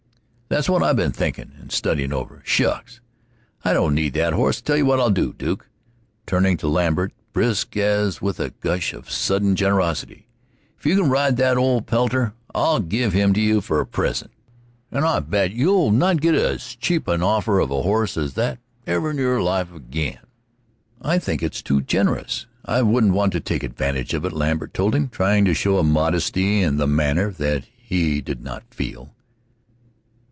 "That's what I've been thinkin' and studyin' over. Shucks! I don't need that horse. I tell you what I'll do, Duke" turning to Lambert, brisk as with a gush of sudden generosity "if you can ride that old pelter, I'll give him to you for a present. And I bet you'll not git as cheap an offer of a horse as that ever in your life ag'in." "I think it's too generous I wouldn't want to take advantage of it," Lambert told him, trying to show a modesty in the matter that he did not feel.